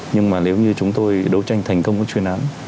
nhưng mà nếu như chúng tôi đấu tranh thành công với chuyên án